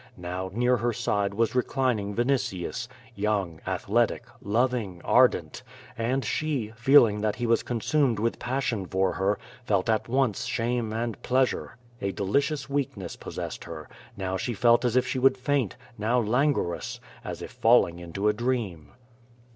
Now near her side was reclining Vinitius, young, athletic, loving, ardent, and she. 6o QUO VADI8. feeling that he was consumed with passion for her, felt at once shame and pleasure. A delicious weakness possessed her; now she felt as if she would faint, now languorous, as if falling into a dream.